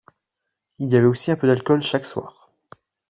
Il y avait aussi un peu d’alcool chaque soir.